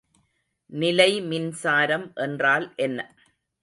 நிலைமின்சாரம் என்றால் என்ன?